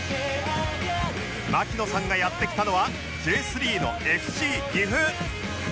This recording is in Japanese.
槙野さんがやって来たのは Ｊ３ の ＦＣ 岐阜